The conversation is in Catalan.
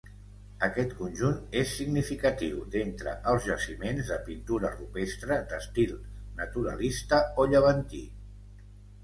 Aquest conjunt és significatiu d'entre els jaciments de pintura rupestre d'estil naturalista o llevantí.